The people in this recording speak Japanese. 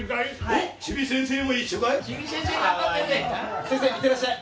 いってらっしゃい。